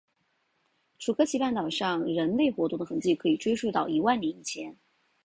楚科奇半岛上人类活动的痕迹可以追溯到一万年以前。